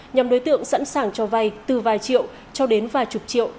nhóm đối tượng sẵn sàng cho vay từ vài triệu cho đến vài chục triệu